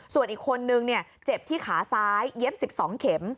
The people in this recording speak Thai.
ส่วนอีกคนนึงเจ็บที่ขาซ้ายเย็บ๑๒เข็ม